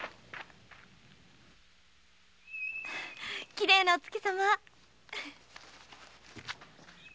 きれいなお月様。